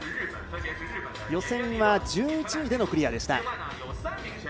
予選は１１位でのクリアでした。